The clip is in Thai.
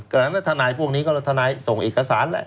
เพราะฉะนั้นธนายพวกนี้ก็ทนายส่งเอกสารละ